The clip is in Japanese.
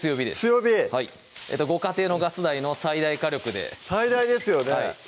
強火ご家庭のガス台の最大火力で最大ですよね